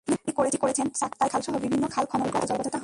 তিনি দাবি করেছেন, চাক্তাই খালসহ বিভিন্ন খাল খনন করায় জলাবদ্ধতা হয়নি।